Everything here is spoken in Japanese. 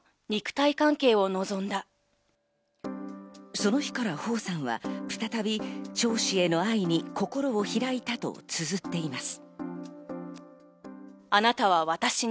その日からホウさんは再びチョウ氏への愛に心を開いたとつづっています。